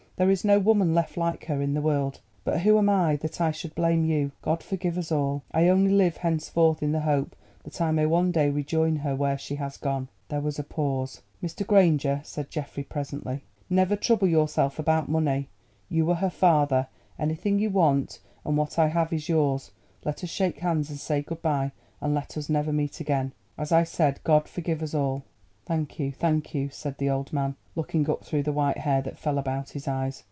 There is no woman left like her in the world. But who am I that I should blame you? God forgive us all! I only live henceforth in the hope that I may one day rejoin her where she has gone." There was a pause. "Mr. Granger," said Geoffrey presently, "never trouble yourself about money. You were her father; anything you want and what I have is yours. Let us shake hands and say good bye, and let us never meet again. As I said, God forgive us all!" "Thank you—thank you," said the old man, looking up through the white hair that fell about his eyes.